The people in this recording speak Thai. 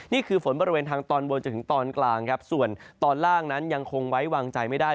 นี่คือฝนบริเวณทางตอนบนจนถึงตอนกลางครับส่วนตอนล่างนั้นยังคงไว้วางใจไม่ได้